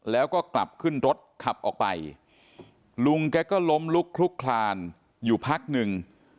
แล้วก็กลับขึ้นรถขับออกไปลุงแกก็ล้มลุกคลุกคลานอยู่พักหนึ่ง